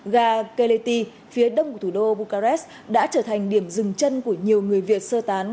gà keleti phía đông của thủ đô bucharest đã trở thành điểm dừng chân của nhiều người việt sơ tán